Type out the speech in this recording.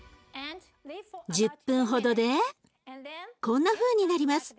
１０分ほどでこんなふうになります。